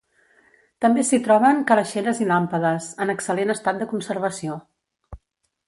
També s'hi troben calaixeres i làmpades, en excel·lent estat de conservació.